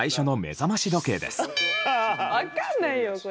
分かんないよこれ！